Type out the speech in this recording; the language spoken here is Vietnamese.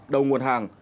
đầu nguồn hàng